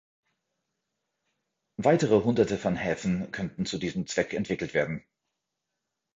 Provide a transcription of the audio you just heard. Weitere Hunderte von Häfen könnten zu diesem Zweck entwickelt werden.